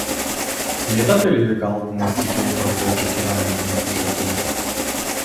Сметате ли дека албумот ќе ги оправда очекувањата на слушателите?